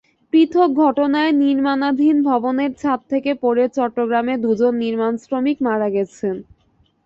পৃথক ঘটনায় নির্মাণাধীন ভবনের ছাদ থেকে পড়ে চট্টগ্রামে দুজন নির্মাণশ্রমিক মারা গেছেন।